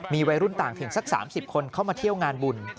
มีวัยรุ่นต่างถึงสัก๓๐คนเข้ามาเที่ยวงานบุญ